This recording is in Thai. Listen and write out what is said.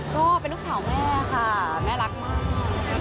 ก็เป็นลูกสาวแม่ค่ะแม่รักมาก